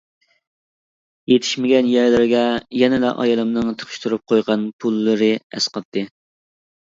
يېتىشمىگەن يەرلىرىگە يەنىلا ئايالىمنىڭ تىقىشتۇرۇپ قويغان پۇللىرى ئەسقاتتى.